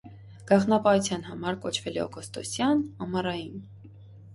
Գաղտնապահության համար կոչվել է «օգոստոսյան», «ամառային»։